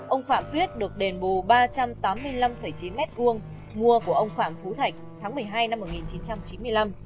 ông phạm tuyết được đền bù ba trăm tám mươi năm chín m hai mua của ông phạm phú thạch tháng một mươi hai năm một nghìn chín trăm chín mươi năm